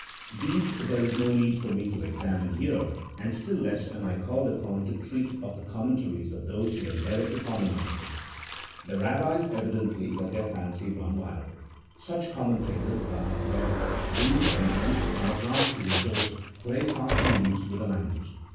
These there is no need for me to examine here, and still less am I called upon to treat of the CHAP. IX.] THE LAST REVISER OF HISTORIC BOOKS. 139* commentaries of those who endeavour to harmonize them. The Kabbis evidently let their fancy run wild. Such com mentators as I have read, dream, invent, and as a last resort, play fast and loose with the language.